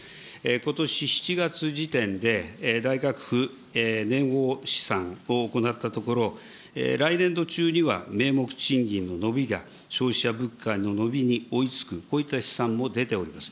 ことし７月時点で、内閣府資産を行ったところ、来年度中には名目賃金の伸びが消費者物価の伸びに追いつく、こういった試算も出ております。